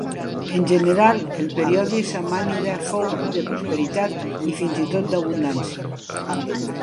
En general pel període samànida fou de prosperitat i fins i tot d'abundància.